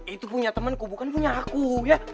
itu punya temanku bukan punya aku ya